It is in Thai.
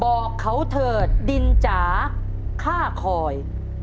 บอกเขาเถิดดินจ๋าฆ่าคอย